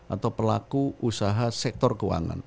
atau pelaku usaha sektor keuangan